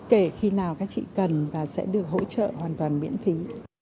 kể khi nào các chị cần và sẽ được hỗ trợ hoàn toàn miễn phí